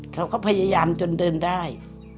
เขาก็พยายามจนเดินได้